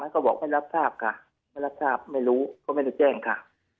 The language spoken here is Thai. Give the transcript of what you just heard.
ก็บอกไม่รับทราบค่ะไม่รับทราบไม่รู้เขาไม่ได้แจ้งค่ะ